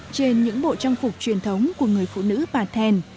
trên những bộ trang phục truyền thống của người phụ nữ bà thèn